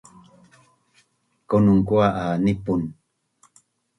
Konun kua’ a nipun